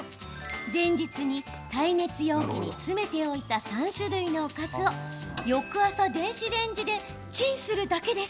前日に耐熱容器に詰めておいた３種類のおかずを翌朝電子レンジでチンするだけです。